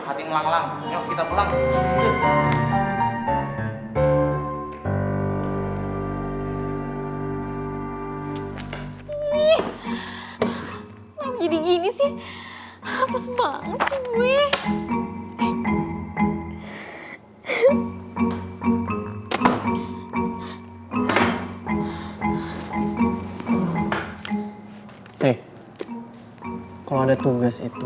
jadi gue ikutan juga